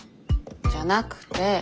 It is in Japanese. じゃなくて。